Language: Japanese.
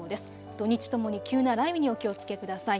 土日ともに急な雷雨にお気をつけください。